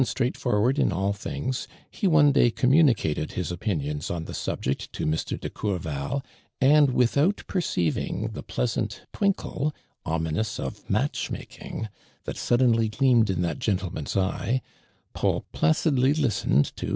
^itraightforward in all things, he one day communicated his opinions on the subject to Mr. de Courval, and without pe^ceiving the pleasant twinkle, ominous of match making, that suddenly gleamed in that gentleman's eye, Paul placidly listened tr.